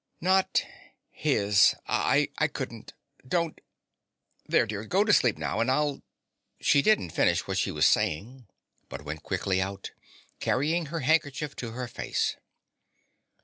"Not his. I couldn't. Don't. ... There, dear, go to sleep now and I'll. ..." She didn't finish what she was saying, but went quickly out, carrying her handkerchief to her face.